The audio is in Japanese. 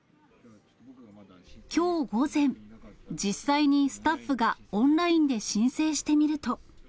きょう午前、実際にスタッフがオンラインで申請してみると。